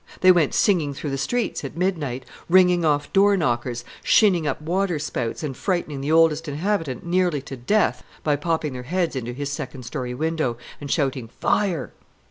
They went singing through the streets at midnight, wringing off door knockers, shinning up water spouts, and frightening the Oldest Inhabitant nearly to death by popping their heads into his second story window, and shouting "Fire!"